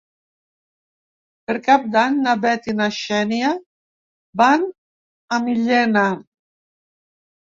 Per Cap d'Any na Bet i na Xènia van a Millena.